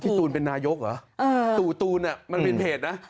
แล้วพี่ตูนเป็นนายกเหรอตุตูนมันเป็นเพจนะ